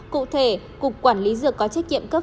cụ thể cục quản lý dược có trách nhiệm cấp